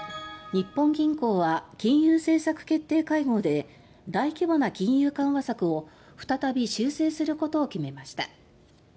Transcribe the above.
日本銀行は、金融政策決定会合で大規模な金融緩和策を再び修正することを決めました。